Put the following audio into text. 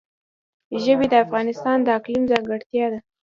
ژبې د افغانستان د اقلیم ځانګړتیا ده.